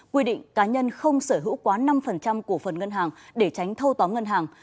quy định cá nhân không sở hữu quá năm cổ phần ngân hàng để tránh thâu tóm ngân hàng